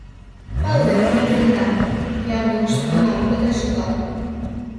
Палем мый тендам — ямдыжым нигунам огыда шӱкал...